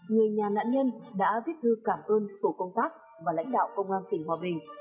người nhà nạn nhân đã viết thư cảm ơn tổ công tác và lãnh đạo công an tỉnh hòa bình